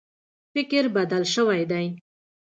فکر بدل شوی دی.